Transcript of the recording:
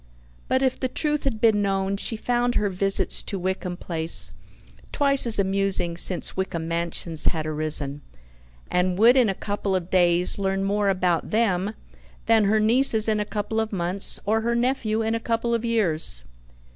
But if the truth had been known, she found her visits to Wickham Place twice as amusing since Wickham Mansions had arisen, and would in a couple of days learn more about them than her nieces in a couple of months, or her nephew in a couple of years.